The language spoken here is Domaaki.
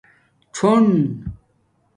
څینݣ